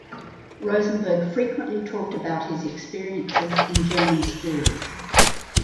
Rosenberg frequently talked about his experiences in German schools.